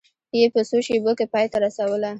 یې په څو شېبو کې پای ته رسوله.